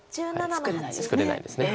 作れないです。